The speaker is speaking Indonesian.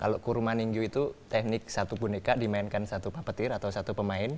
kalau kursi beruda itu teknik satu boneka dimainkan satu puppeteer atau satu pemain